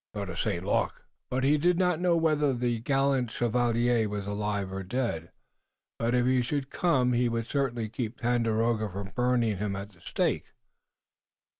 He thought of St. Luc, but he did not know whether the gallant Chevalier was alive or dead. But if he should come he would certainly keep Tandakora from burning him at the stake.